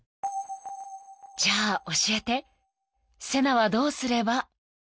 ［じゃあ教えてセナはどうすれば？］